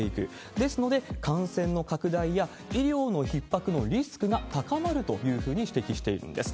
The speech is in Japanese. ですので、感染の拡大や医療のひっ迫のリスクが高まるというふうに指摘しているんです。